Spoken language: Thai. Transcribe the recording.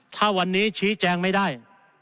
ถ้าวันนี้ชี้แจงไม่ได้